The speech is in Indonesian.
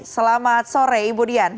selamat sore ibu dian